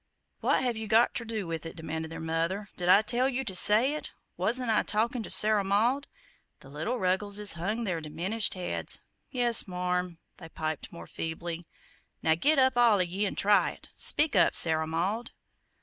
"What have you got ter do with it," demanded their mother; "did I tell YOU to say it! Wasn't I talkin' ter Sarah Maud?" The little Ruggleses hung their diminished heads. "Yes, marm," they piped, more feebly. "Now git up, all of ye, an' try it. Speak up, Sarah Maud."